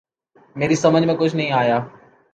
میری سمجھ میں کچھ نہ آیا